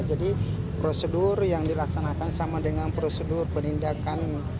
jadi prosedur yang dilaksanakan sama dengan prosedur penindakan